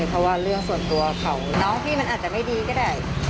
เพราะว่าเรื่องส่วนตัวของน้องพี่มันอาจจะไม่ดีก็ได้